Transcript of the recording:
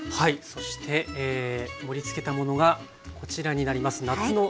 そして盛りつけたものがこちらになります。